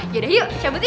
yaudah yuk cabut yuk